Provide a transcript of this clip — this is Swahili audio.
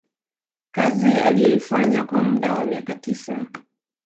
kazi aliyoifanya kwa muda wa miaka tisa